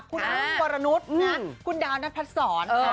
คุณอึ้งวรนุษย์คุณดาวนัทภัทรสอน